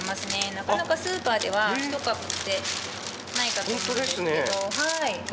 なかなかスーパーでは１株ってないかと思うんですけど。